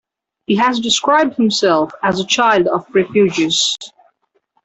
He has described himself as a "child of refugees".